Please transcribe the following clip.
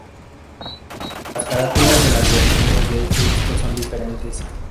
Las carátulas de las versiones de este disco son diferentes.